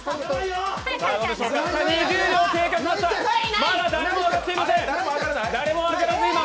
まだ誰も上がっていません。